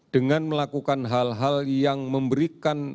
dengan melakukan hal hal yang memberikan